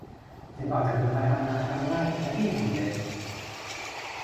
จึงออกจากเมืองมาทำนาทำไร่ ณ ที่แห่งหนึ่ง